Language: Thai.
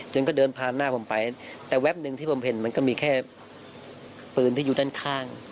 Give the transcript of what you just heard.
ก็เดินผ่านหน้าผมไปแต่แป๊บหนึ่งที่ผมเห็นมันก็มีแค่ปืนที่อยู่ด้านข้าง